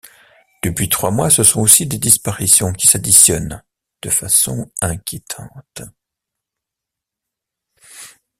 Depuis trois mois, ce sont aussi des disparitions qui s'additionnent de façon inquiétante.